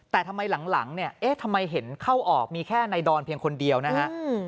แต่ทำไมหลังเนี่ยเอ๊ะทำไมเห็นเข้าออกมีแค่ในดอนเพียงคนเดียวนะฮะ